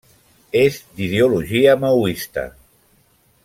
És d'ideologia maoista.